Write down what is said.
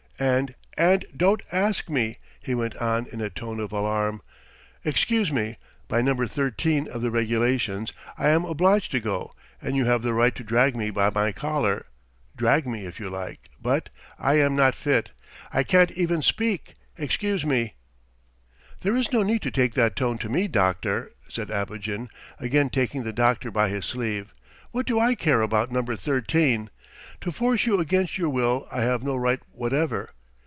"And ... and don't ask me," he went on in a tone of alarm. "Excuse me. By No. XIII of the regulations I am obliged to go and you have the right to drag me by my collar ... drag me if you like, but ... I am not fit ... I can't even speak ... excuse me." "There is no need to take that tone to me, doctor!" said Abogin, again taking the doctor by his sleeve. "What do I care about No. XIII! To force you against your will I have no right whatever.